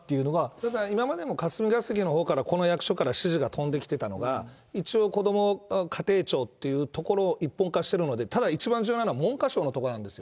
ただ、今までも霞が関のほうからこの役所から指示が飛んできてたのが、一応、こども家庭庁という所に、一本化しているので、一番重要なのは文科省の所なんですよ。